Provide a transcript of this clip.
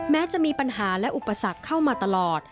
แม้จะมีปัญหาและอุปสรรคเข้ามาตลอด